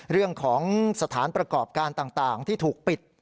เรื่องของสถานประกอบการต่างที่ถูกปิด